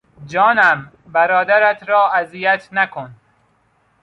جانم، برادرت را اذیت نکن!